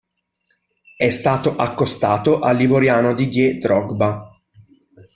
È stato accostato all'ivoriano Didier Drogba.